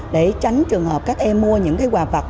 để tránh trường hợp các em mua những cái quà vặt